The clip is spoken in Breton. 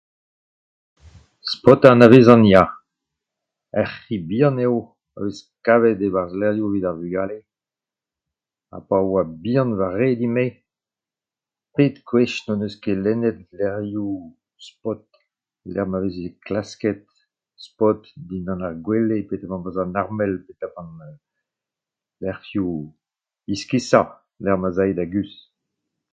Spot a anavezan, ya. Ur c'hi bihan eo a vez kavet e-barzh levrioù evit ar vugale ha pa oa bihan va re din-me pet gwech n'on eus ket lennet levrioù Spot 'lec'h ma veze klasket Spot dindan ar gwele, peotramant barzh an armel peotramant el lec'hioù iskisañ 'lec'h ma'z ae da guzh.